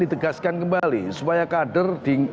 ditegaskan kembali supaya kader